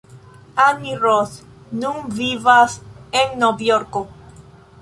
Annie Ross nun vivas en Novjorko.